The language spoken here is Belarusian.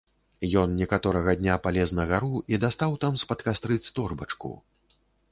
Ён некаторага дня палез на гару і дастаў там з-пад кастрыц торбачку.